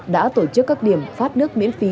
đã tổ chức các điểm phát nước miễn phí